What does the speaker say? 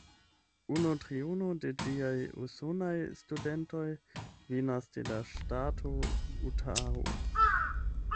Unu triono de ĝiaj usonaj studentoj venas de la ŝtato Utaho.